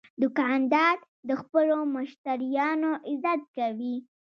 دوکاندار د خپلو مشتریانو عزت کوي.